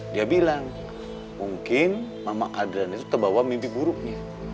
dia bilang mungkin mama adriana itu terbawa mimpi buruknya